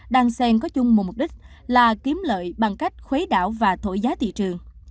đang sen có chung một mục đích là kiếm lợi bằng cách khuấy đảo và thổi giá thị trường